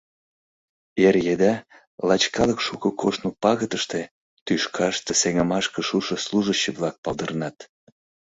Эр еда, лач калык шуко коштмо пагытыште, тӱшкаште сеҥымашке шушо служащий-влак палдырнат.